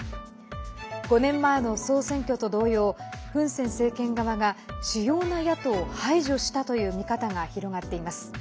５年前の総選挙と同様フン・セン政権側が主要な野党を排除したという見方が広がっています。